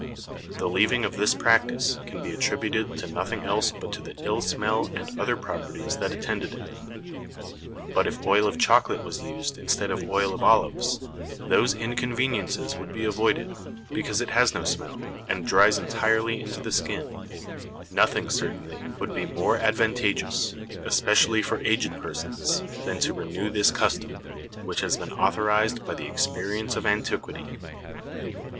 The leaving off this Practice, can be attributed to nothing else but to the ill Smell and other Properties that attended it; but if Oil of Chocolate was used instead of Oil of Olives, those Inconveniences would be avoided, because it has no Smell, and dries entirely into the Skin: nothing certainly would be more advantageous, especially for aged Persons, than to renew this Custom, which has been authorized by the Experience of Antiquity.